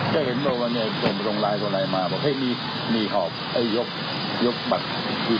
เจ็ดพันแทนทุกหน่วยแหละไม่ว่าคันแอร์จะขีดอยู่เจ็ดพันเจ็ดพันทุกที่